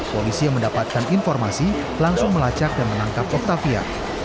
polisi yang mendapatkan informasi langsung melacak dan menangkap octavia